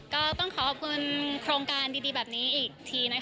ก็ต้องขอขอบคุณโครงการดีแบบนี้อีกทีนะคะ